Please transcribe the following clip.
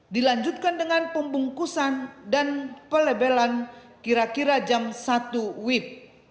dilanjutkan dengan pembungkusan dan pelebelan kira kira jam satu wib